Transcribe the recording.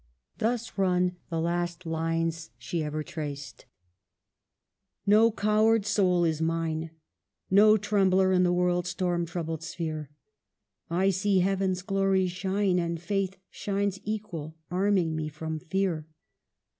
Thus run the last lines she ever traced :" No coward soul is mine, No trembler in the world's storm troubled sphere ; I see heaven's glories shine, And faith shines equal, arming me from fear.